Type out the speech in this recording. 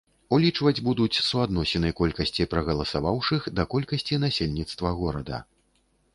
Улічваць будуць суадносіны колькасці прагаласаваўшых да колькасці насельніцтва горада.